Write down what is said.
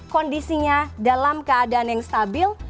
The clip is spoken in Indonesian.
kondisinya dalam keadaan yang stabil